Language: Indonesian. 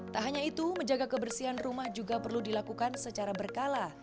tak hanya itu menjaga kebersihan rumah juga perlu dilakukan secara berkala